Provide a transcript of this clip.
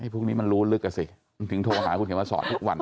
พวกนี้มันรู้ลึกอ่ะสิถึงโทรหาคุณเขียนมาสอนทุกวัน